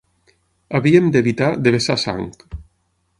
Havíem d'evitar de vessar sang